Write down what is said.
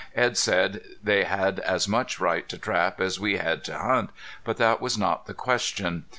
Edd said they had as much right to trap as we had to hunt, but that was not the question.